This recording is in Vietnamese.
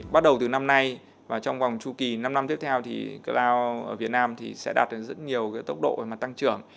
bắt đầu từ năm nay và trong vòng tru kỳ năm năm tiếp theo thì cloud ở việt nam thì sẽ đạt được rất nhiều tốc độ tăng trưởng